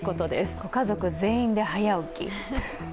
ご家族全員で早起き。